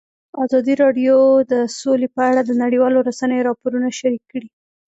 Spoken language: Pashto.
ازادي راډیو د سوله په اړه د نړیوالو رسنیو راپورونه شریک کړي.